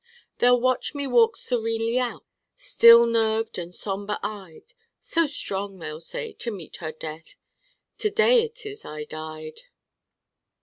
_ They'll watch me walk serenely out, Still nerved and somber eyed, 'So strong,' they'll say, 'to meet her death.' _To day it is I died.